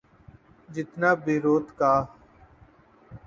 جتنا بیروت کا۔